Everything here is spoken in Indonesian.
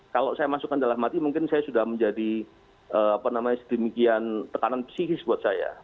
kalau saya masukkan dalam hati mungkin saya sudah menjadi sedemikian tekanan psikis buat saya